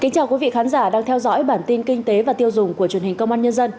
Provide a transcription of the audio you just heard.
chào mừng quý vị đến với bản tin kinh tế và tiêu dùng của truyền hình công an nhân dân